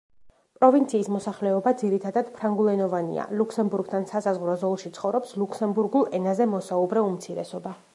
პროვინციის მოსახლეობა ძირითადად ფრანგულენოვანია, ლუქსემბურგთან სასაზღვრო ზოლში ცხოვრობს ლუქსემბურგულ ენაზე მოსაუბრე უმცირესობა.